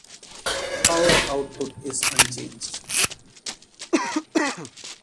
Power output is unchanged.